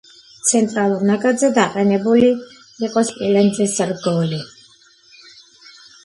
ცენტრალურ ნაკადზე დაყენებული იყო სპილენძის რგოლი.